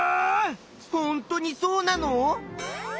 ほんとにそうなの？